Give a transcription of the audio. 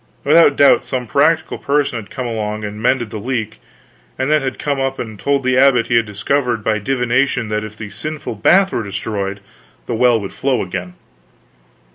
Without doubt some practical person had come along and mended the leak, and then had come up and told the abbot he had discovered by divination that if the sinful bath were destroyed the well would flow again.